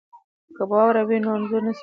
که واوره وي نو انځور نه سپینیږي.